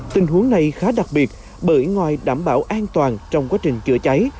tình huống này khá đặc biệt bởi ngoài đảm bảo an toàn trong quá trình chữa cháy